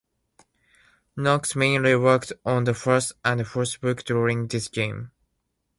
Knox mainly worked on the first and fourth books during this time.